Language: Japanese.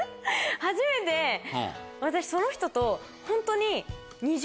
初めて私その人とホントに。